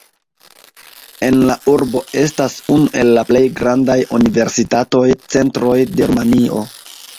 En la urbo estas unu el la plej grandaj universitataj centroj de Rumanio.